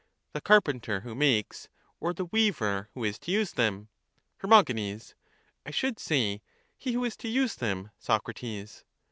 the carpenter who makes, or the weaver who is to use them? Her. I should say, he who is to use them, Socrates.